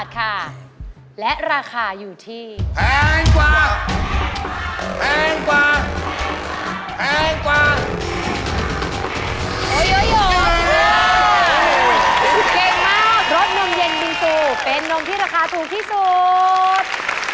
เก่งมากรสนมเย็นมิวซูเป็นนมที่ราคาถูกที่สุด